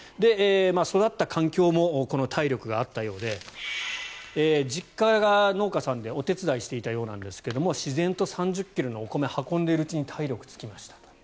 育った環境も体力があったようで実家が農家さんでお手伝いをしていたようなんですが自然と３０ｋｇのお米を運んでいるうちに体力がついた。